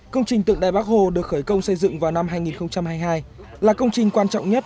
công trình tượng đài bắc hồ được khởi công xây dựng vào năm hai nghìn hai mươi hai là công trình quan trọng nhất